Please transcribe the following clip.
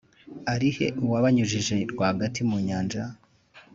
ari he uwabanyujije rwagati mu nyanja,